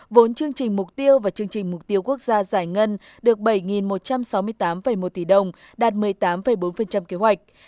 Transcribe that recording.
vốn chương trình mục tiêu và chương trình mục tiêu quốc gia giải ngân được bảy một trăm sáu mươi tám một tỷ đồng đạt một mươi tám bốn kế hoạch